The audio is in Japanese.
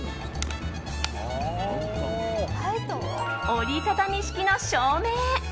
折り畳み式の照明。